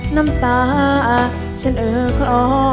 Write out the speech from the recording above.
น้ำตาฉันเออคลอ